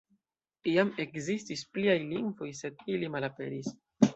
Iam ekzistis pliaj lingvoj, sed ili malaperis.